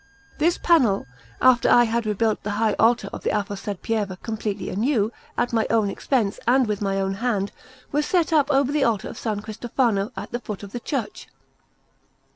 This panel, after I had rebuilt the high altar of the aforesaid Pieve completely anew, at my own expense and with my own hand, was set up over the altar of S. Cristofano at the foot of the church.